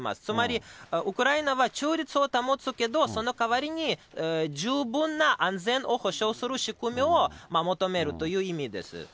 つまりウクライナは中立を保つけど、その代わりに十分な安全を保障する仕組みを求めるという意味です。